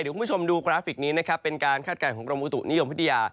เดี๋ยวคุณผู้ชมดูกราฟิกนี้นะครับเป็นการคาดการณ์ของกรมอุตุนิยมวิทยา